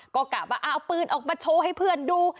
ก็กะว่าเอาปืนออกมาโชว์ให้เพื่อนดู